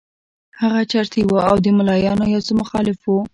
هغه چرسي وو او د ملایانو یو څه مخالف وو.